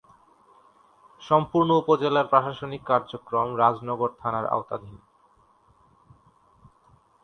সম্পূর্ণ উপজেলার প্রশাসনিক কার্যক্রম রাজনগর থানার আওতাধীন।